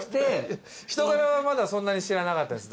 人柄はまだそんなに知らなかったです。